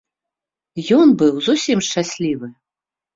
Ён быў зусім шчаслівы.